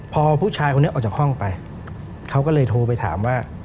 พอผู้ชายคนนี้ออกจากห้องไปเขาก็เลยโทรไปถามว่า